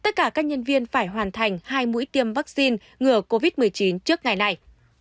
nhiều nhân viên phải hoàn thành hai mũi tiêm vắc xin ngừa covid một mươi chín trước ngày nay